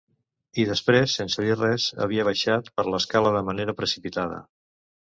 I després, sense dir res, havia baixat per l'escala de manera precipitada.